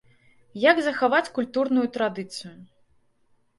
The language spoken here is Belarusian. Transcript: Як захаваць культурную традыцыю?